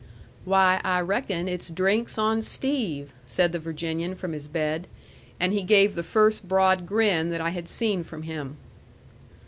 "Why, I reckon it's drinks on Steve," said the Virginian from his bed. And he gave the first broad grin that I had seen from him.